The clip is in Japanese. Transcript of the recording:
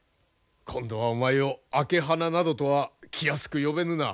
今度はお前を朱鼻などとは気安く呼べぬな。